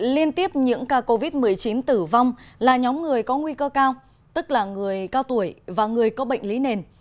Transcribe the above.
liên tiếp những ca covid một mươi chín tử vong là nhóm người có nguy cơ cao tức là người cao tuổi và người có bệnh lý nền